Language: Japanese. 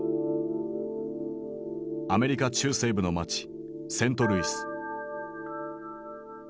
アメリカ中西部の街セントルイス。